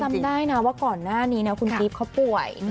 จำได้นะว่าก่อนหน้านี้นะคุณกิฟต์เขาป่วย